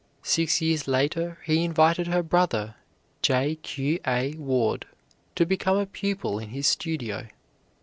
Six years later he invited her brother, J. Q. A. Ward, to become a pupil in his studio.